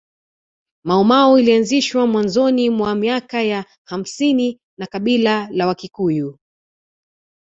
Maumau ilianzishwa mwanzoni mwa miaka ya hamsini na kabila la wakikuyu